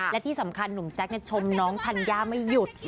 และที่สำคัญหนุ่มแซคชมน้องธัญญาไม่หยุด